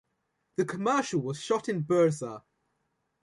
The commercial was shot in Bursa.